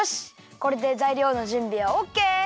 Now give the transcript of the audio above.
これでざいりょうのじゅんびはオッケー！